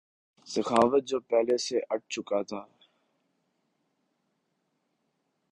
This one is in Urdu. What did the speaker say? سخاوت جو پہلے سے اٹھ چکا تھا